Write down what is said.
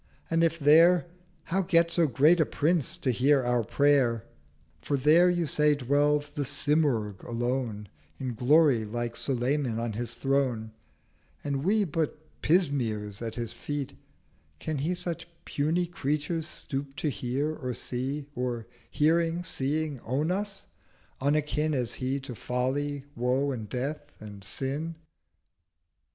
and if there How get so great a Prince to hear our Prayer? For there, you say, dwells The Symurgh alone In Glory, like Sulayman on his Throne, And we but Pismires at his feet: can He Such puny Creatures stoop to hear, or see; Or hearing, seeing, own us—unakin As He to Folly, Woe, and Death, and Sin?'